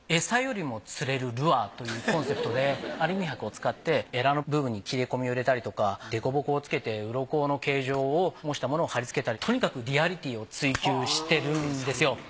餌よりも釣れるルアーというコンセプトでアルミ箔を使ってエラの部分に切れ込みを入れたりとか凸凹をつけてうろこの形状を模したものを貼りつけたりとにかくリアリティーを追求してるんですよ。